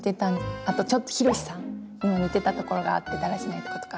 あとちょっとひろしさんにも似てたところがあってだらしないとことか。